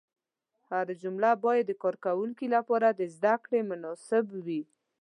هره جمله باید د کاروونکي لپاره د زده کړې مناسب وي.